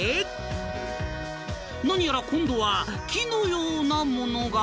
［何やら今度は木のようなものが］